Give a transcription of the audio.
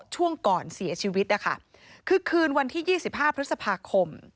ช่วงก่อนเสียชีวิตนะคะคือคืนวันที่๒๕พฤษภาคม